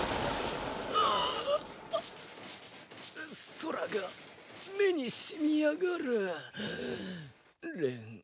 空が目にしみやがるレンアイ。